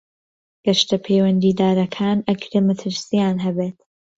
گەشتە پەیوەندیدارەکان ئەکرێ مەترسیان هەبێت.